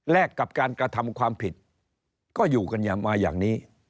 กับการกระทำความผิดก็อยู่กันมาอย่างนี้